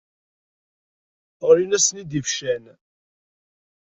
Ɣlin-asen-id ibeccan.